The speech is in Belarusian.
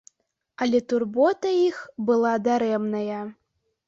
Але турбота іх была дарэмная.